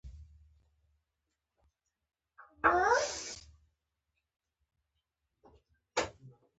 د تایمني له شعرونو څخه یوازي یوه بیلګه تر اوسه لاسته راغلې ده.